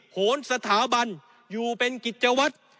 โหนสถาบันอยู่เป็นกิจวัตร